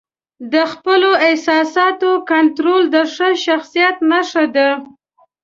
د خپلو احساساتو کنټرول د ښه شخصیت نښه ده.